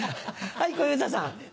はい小遊三さん。